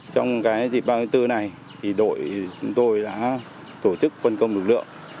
trong dịp ba mươi bốn này thì đội chúng tôi đã tổ chức phân công lực lượng